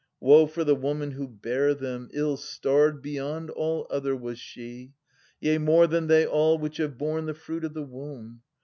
Woe for the woman who bare them, ill starred beyond all other Was she, yea, more than they all which have borne the fruit of the womb